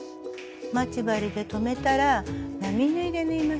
待ち針で留めたら並縫いで縫いましょう。